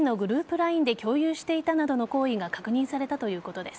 ＬＩＮＥで共有していたなどの行為が確認されたということです。